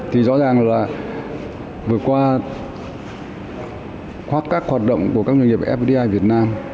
thì rõ ràng là vừa qua các hoạt động của các doanh nghiệp fdi việt nam